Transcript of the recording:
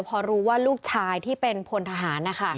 พอรู้ว่าลูกชายที่เป็นพลทหารนะคะ